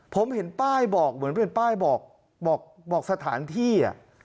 ผมเห็นป้ายบอกเหมือนเป็นป้ายบอกสถานที่